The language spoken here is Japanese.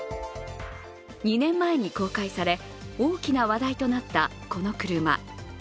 ２年前に公開され、大きな話題となったこの車。